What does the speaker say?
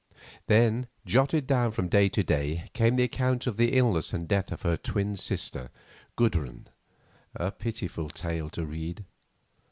Then, jotted down from day to day, came the account of the illness and death of her twin sister, Gudrun, a pitiful tale to read.